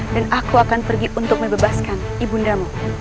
dan aku akan pergi untuk mebebaskan ibu namo